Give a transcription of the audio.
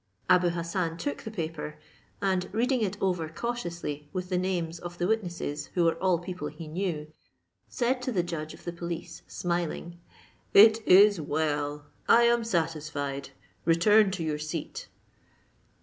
Abou Hassan took the paper, and reading it over cautiously with the names of the witnesses, who were all people he knew, said to the judge of the police, smiling, "It is well; I am satisfied; return to your seat."